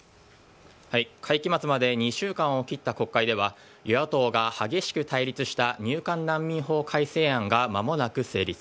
会期末まで２週間を切った国会では与野党が激しく対立した入管難民法改正案が間もなく成立。